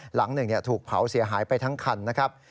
หลังหนึ่งถูกเผาเสียหายไปทั้งคันนะครับ